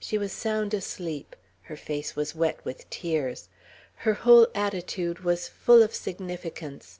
She was sound asleep. Her face was wet with tears. Her whole attitude was full of significance.